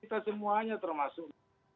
kita semuanya termasuk